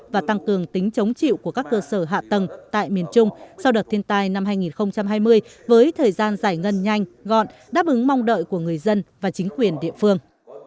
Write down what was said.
và tăng cường tính chống chịu của các cơ sở hạ tầng tại miền trung sau đợt thiên tai năm hai nghìn hai mươi với thời gian giải ngân nhanh gọn đáp ứng mong đợi của người dân và chính quyền địa phương